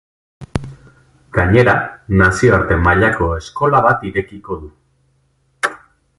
Gainera, nazioarte mailako eskola bat irekiko du.